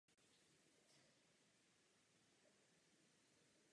Ale po čtyřech stoletích se propadlo do země následkem zemětřesení a nájezdů Bulharů.